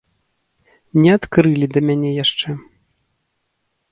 Не адкрылі да мяне яшчэ.